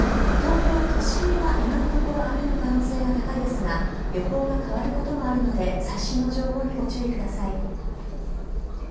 東京都心は今のところ雨の可能性が高いですが、予報が変わることもあるので最新の情報にご注意ください。